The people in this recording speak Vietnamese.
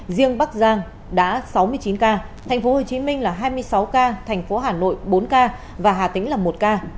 riêng bắc giang đã sáu mươi chín ca thành phố hồ chí minh là hai mươi sáu ca thành phố hà nội bốn ca và hà tĩnh là một ca